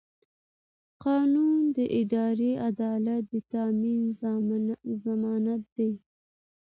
قانون د اداري عدالت د تامین ضمانت دی.